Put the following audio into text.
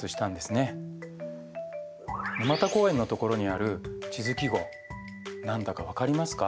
沼田公園のところにある地図記号何だか分かりますか？